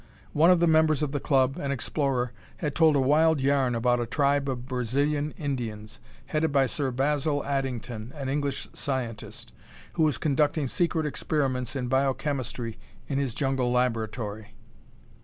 One of the members of the club, an explorer, had told a wild yarn about a tribe of Brazilian Indians, headed by Sir Basil Addington, an English scientist, who was conducting secret experiments in biochemistry in his jungle laboratory.